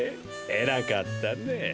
えらかったね。